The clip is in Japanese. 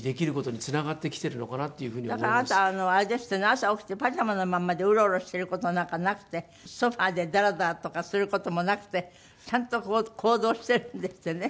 朝起きてパジャマのまんまでウロウロしてる事なんかなくてソファでダラダラとかする事もなくてちゃんと行動してるんですってね。